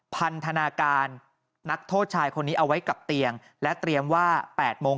พันธนาการนักโทษชายคนนี้เอาไว้กับเตียงและเตรียมว่า๘โมง